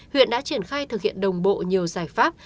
huyện đã triển khai thực hiện đồng bộ nhiều giải pháp